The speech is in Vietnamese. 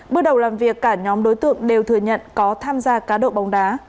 bước đầu làm việc cả nhóm đối tượng đều thừa nhận có tham gia cá độ bóng đá